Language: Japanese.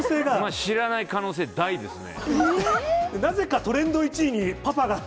知らない可能性大ですね。